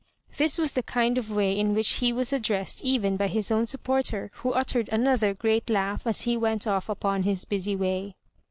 This was the kind of way in which he was addressed even by his own supporter, who uttered another great laugh as he went off upon his busy way.